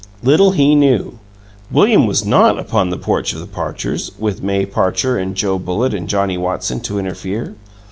Little he knew! William was not upon the porch of the Parchers, with May Parcher and Joe Bullitt and Johnnie Watson to interfere.